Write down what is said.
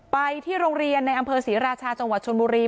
ไปที่โรงเรียนในอำเภอศรีราชาจังหวัดชนบุรี